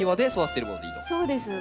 そうです。